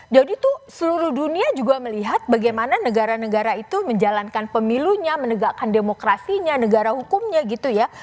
jadi tuh seluruh dunia juga melihat bagaimana negara negara itu menjalankan pemilunya menegakkan demokrasinya negara hukumnya gitu ya